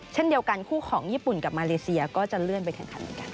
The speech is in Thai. เช่นเดียวกันคู่ของญี่ปุ่นกับมาเลเซียก็จะเลื่อนไปแข่งขันเหมือนกัน